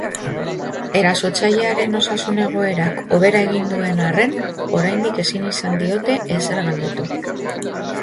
Erasotzailearen osasun-egoerak hobera egin duen arren, oraindik ezin izan diote ezer galdetu.